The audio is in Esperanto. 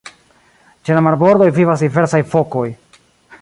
Ĉe la marbordoj vivas diversaj fokoj.